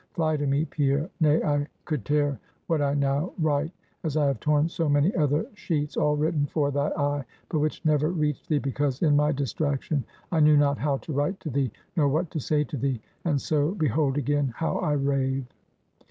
Fly to me, Pierre; nay, I could tear what I now write, as I have torn so many other sheets, all written for thy eye, but which never reached thee, because in my distraction, I knew not how to write to thee, nor what to say to thee; and so, behold again how I rave.